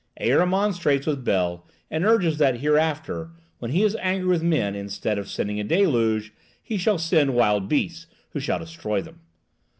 Ea remonstrates with Bel, and urges that hereafter, when he is angry with men, instead of sending a deluge, he shall send wild beasts, who shall destroy them.